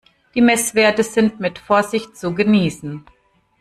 Die Messwerte sind mit Vorsicht zu genießen.